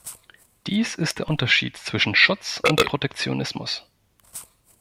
Dies ist der Unterschied zwischen Schutz und Protektionismus.